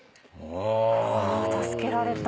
助けられた。